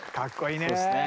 そうですね。